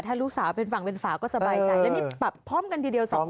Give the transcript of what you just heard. ถ้าลูกสาวเป็นฝั่งเป็นฝาก็สบายใจแล้วนี่ปรับพร้อมกันทีเดียวสองคน